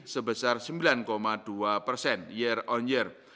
sebesar sembilan dua persen year on year